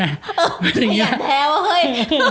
อยากแท้วะเฮ้ย